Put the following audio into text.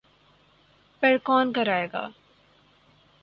پر کون کرائے گا؟